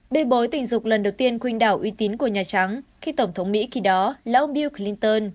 bê bối tình dục lần đầu tiên khuyên đảo uy tín của nhà trắng khi tổng thống mỹ khi đó là ông bew clinton